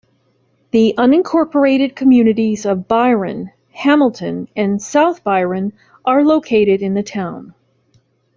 The unincorporated communities of Byron, Hamilton, and South Byron are located in the town.